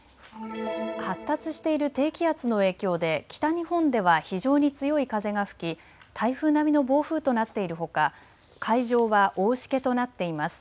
発達している低気圧の影響で北日本では非常に強い風が吹き台風並みの暴風となっているほか海上は大しけとなっています。